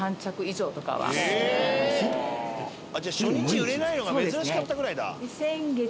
じゃ初日売れないのが珍しかったぐらいだ。